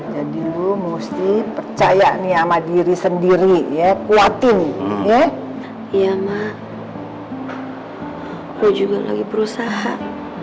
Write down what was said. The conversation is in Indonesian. jadi lu musti percaya nih ama diri sendiri ya kuat ini ya iya mak lu juga lagi perusahaan